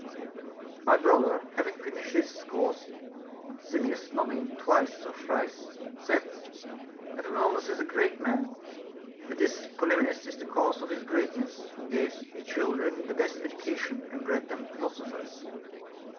16. My brother having finished this discourse, Simmias, nodding twice or thrice, said : Epaminondas is a great man, but this Polymnis is the cause of his greatness, who gave his children the best education, and bred them phi losophers.